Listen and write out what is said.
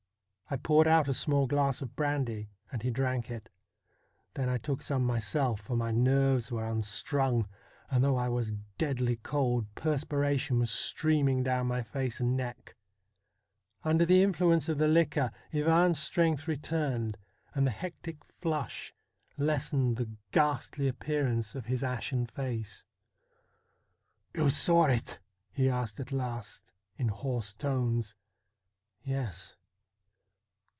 I poured out a small glass of brandy, and he drank it ; then I took some myself, for my nerves were unstrung, and, though I was deadly cold, perspiration was streaming down my face and neck. Under the influence of the liquor, Ivan's strength returned, and the hectic flush lessened the ghastly appearance of his ashen face. ' You saw it ?' he asked at last in hoarse tones. 'Yes.'